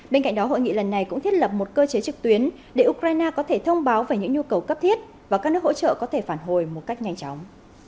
bên cạnh đó hội nghị lần này cũng thiết lập một cơ chế trực tuyến để ukraine có thể thông báo về những nhu cầu cấp thiết và các nước hỗ trợ có thể phản hồi một cách nhanh chóng